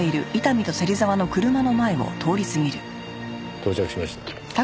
到着しました。